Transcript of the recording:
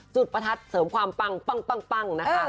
ประทัดเสริมความปังนะคะ